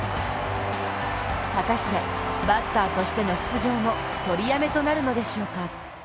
果たしてバッターとしての出場も取りやめとなるのでしょうか。